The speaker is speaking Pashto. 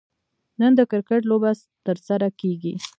نن د کرکټ لوبه ترسره کیږي